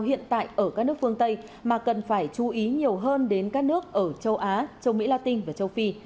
hiện tại ở các nước phương tây mà cần phải chú ý nhiều hơn đến các nước ở châu á châu mỹ latin và châu phi